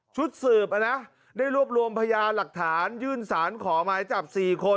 ชุดสืบได้รวบรวมพยาหลักฐานยื่นสารขอหมายจับ๔คน